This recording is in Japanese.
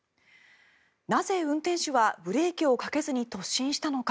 なぜ、運転手はブレーキをかけずに突進したのか。